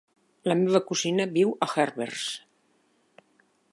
La meva cosina viu a Herbers.